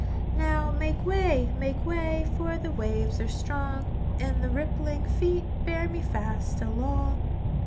"Now, make way, make way; For the waves are strong, And their rippling feet Bear me fast along."